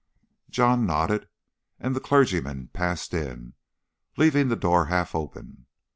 John nodded, and the clergyman passed in, leaving the door half open.